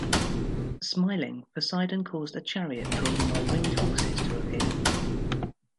Smiling, Poseidon caused a chariot drawn by winged horses to appear.